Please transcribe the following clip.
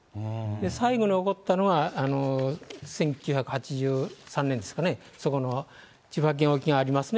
最後に起こったのが１９８３年ですかね、そこの千葉県沖がありますね。